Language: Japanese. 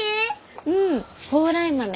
うん蓬莱豆。